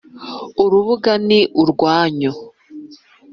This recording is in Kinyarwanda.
urubuga ni urwanyu